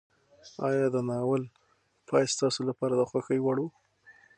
ایا د ناول پای ستاسو لپاره د خوښۍ وړ و؟